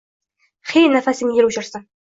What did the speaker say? He nafasingni el o`chirsin